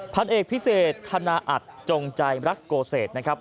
พันเอกพิเศษธนาอัดจงใจรักโกเศษนะครับ